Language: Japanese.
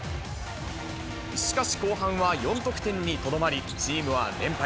しかし、後半は４得点にとどまり、チームは連敗。